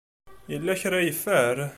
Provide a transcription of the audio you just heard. Yella kra ay yeffer?